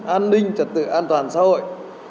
an ninh trật tự an toàn xã hội